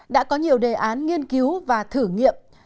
đã có nhiều đề án nghiên cứu và thử nghiệm